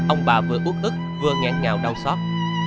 ông bà vừa út ức vừa ngang ngào đau xót